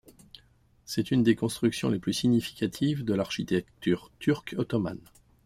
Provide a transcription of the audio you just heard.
C'est une des constructions les plus significatives de l'architecture turque ottomane.